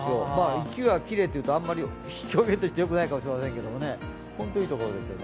雪がきれいというと、表現として、あまりよくないかもしれないですけど、本当にいいところですね。